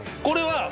これは。